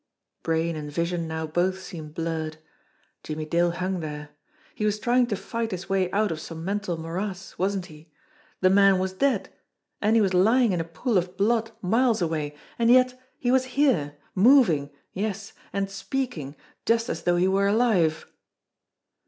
Brain and vision now both seemed blurred. Jimmie Dale hung there. He was trying to fight his way out of some mental morass, wasn't he? The man was dead, and he was lying in a pool of blood miles away, and yet he was here, moving, yes, and speaking, just as though he were alive.